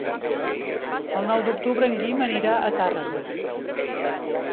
El nou d'octubre en Guim anirà a Tàrrega.